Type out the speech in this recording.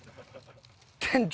店長！